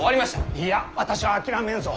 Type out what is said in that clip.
いいや私は諦めぬぞ。